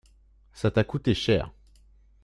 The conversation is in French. Ça t’a coûté cher.